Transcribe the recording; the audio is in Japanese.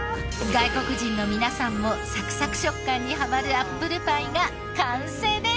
外国人の皆さんもサクサク食感にハマるアップルパイが完成です！